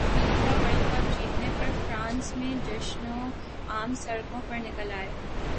FIFA World cup جیتنے پر France میں جشنعوام سڑکوں پر نکل ائے